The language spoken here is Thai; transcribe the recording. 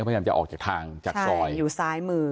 พยายามจะออกจากทางจากซอยอยู่ซ้ายมือ